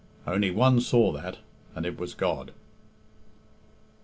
Only one saw that, and it was God.